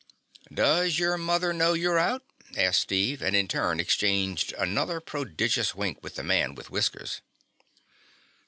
"Does your mother know you're out?" asked Steve, and in turn exchanged another prodigious wink with the man with whiskers.